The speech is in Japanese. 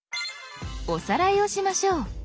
おさらいをしましょう。